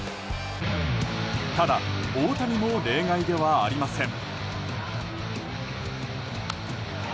ただ、大谷も例外ではありません。